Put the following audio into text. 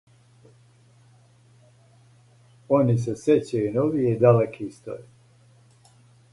Они се сећају и новије и далеке историје.